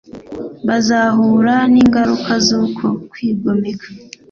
bazahura n'ingaruka z'uko kwigomeka